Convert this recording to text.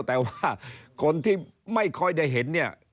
แต่ว่าคนที่ไม่ค่อยได้เห็นเนี่ย